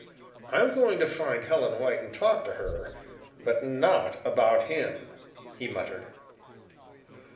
"I'm going to find Helen White and talk to her, but not about him," he muttered.